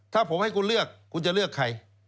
ถ้าผมให้คุณเลือกคุณจะเลือกใคร